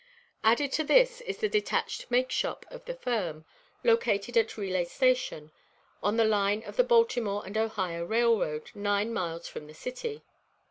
Added to this is the detached "make shop" of the firm, located at Relay Station, on the line of the Baltimore and Ohio Railroad, nine miles from the city.